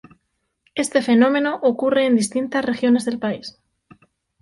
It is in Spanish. Este fenómeno ocurre en distintas regiones del país.